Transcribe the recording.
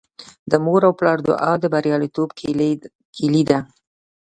د مور او پلار دعا د بریالیتوب کیلي ده.